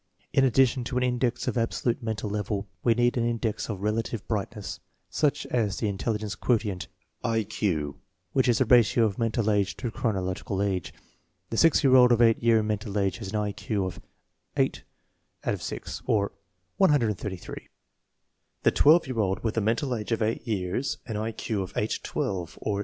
In addition to an index of absolute mental level, we need an index of relative brightness. Such is the intelli gence quotient (I Q), which is the ratio of mental age to chronological age. The six year old of eight year mental age has an I Q of 8/6 or 133 ; l the twelve year old with a mental age of eight years, an I Q of 8/ 12, or 67.